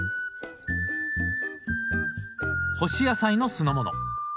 干し野菜の酢の物。